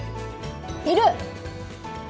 いる！